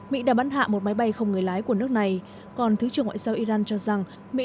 mỹ đã bắn hạ một máy bay không người lái của nước này còn thứ trưởng ngoại giao iran cho rằng mỹ